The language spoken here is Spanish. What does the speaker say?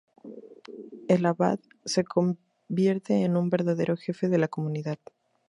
El abad se convierte en un verdadero jefe de la comunidad.